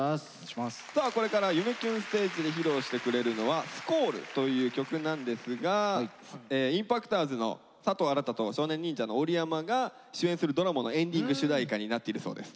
さあこれから「夢キュンステージ」で披露してくれるのは「Ｓｑｕａｌｌ」という曲なんですがＩＭＰＡＣＴｏｒｓの佐藤新と少年忍者の織山が主演するドラマのエンディング主題歌になっているそうです。